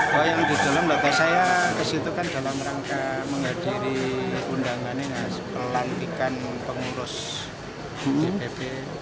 menghadiri undangan ini pelantikan pengurus dpp